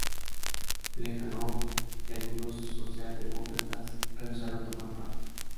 Plejánov y algunos social-demócratas rehusaron tomar parte.